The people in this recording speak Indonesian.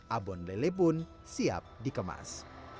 abon lele pun siap dikemas